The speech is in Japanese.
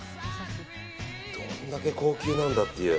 どんだけ高級なんだっていう。